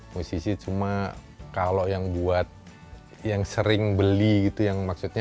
musisi cuma kalau yang buat yang sering beli gitu yang maksudnya